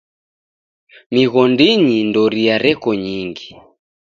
Mighondinyi ndoria reko nyingi.